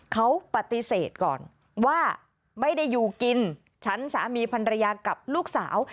เขาปฏิเสธก่อนว่าไม่ได้อยู่กินฉันสามีพันรยากับลูกสาว